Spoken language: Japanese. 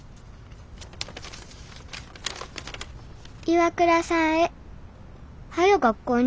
「岩倉さんへはよ